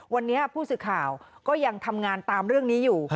วันนี้ผู้สื่อข่าวก็ยังทำงานตามเรื่องนี้อยู่